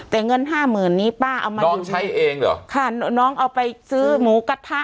แต่เงินห้าหมื่นนี้ป้าเอามาน้องใช้เองเหรอค่ะน้องเอาไปซื้อหมูกระทะ